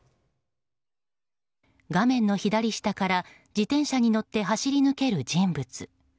画面の左下から自転車に乗って走り抜ける人物。